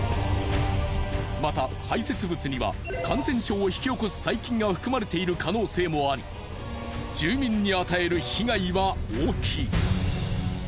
また排泄物には感染症を引き起こす細菌が含まれている可能性もあり住民に与える被害は大きい。